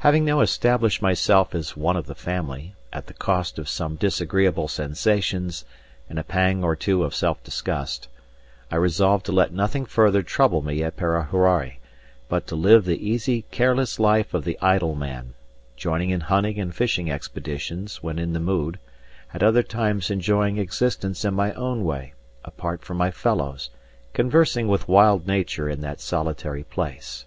Having now established myself as one of the family, at the cost of some disagreeable sensations and a pang or two of self disgust, I resolved to let nothing further trouble me at Parahuari, but to live the easy, careless life of the idle man, joining in hunting and fishing expeditions when in the mood; at other times enjoying existence in my own way, apart from my fellows, conversing with wild nature in that solitary place.